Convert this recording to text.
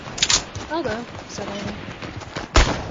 “I’ll go,” said Annie.